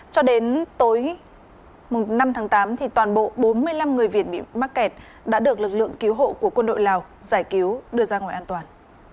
cho đến tối năm tháng tám toàn bộ bốn mươi năm người việt bị mắc kẹt đã được lực lượng cứu hộ của quân đội lào giải cứu đưa ra ngoài an toàn